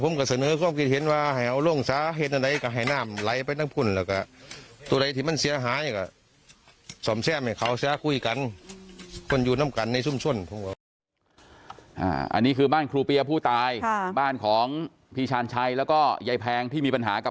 ผมก็เสนอก็เห็นว่าไอ้โด่งสาเห็นอะไรกระไห่น้ำไหลไปตั้งพรุ่นแล้วกะ